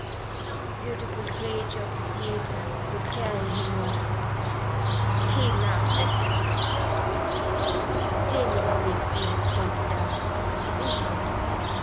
Some beautiful creature of the theatre would carry him off. He laughed at such an absurdity. Jane would always be his confidante, his intimate.